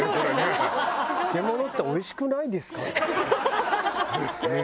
「漬物っておいしくないですか？」。